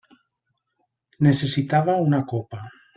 Necessitava una copa.